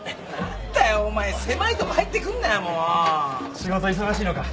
仕事忙しいのか？